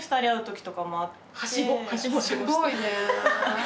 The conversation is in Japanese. すごいね。